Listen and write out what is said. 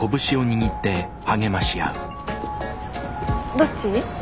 どっち？